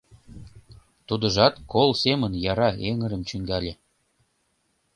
Тудыжат кол семын яра эҥырым чӱҥгале.